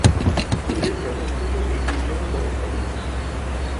ইংরেজরা কৌশলে এই বিদ্রোহ দমন করে।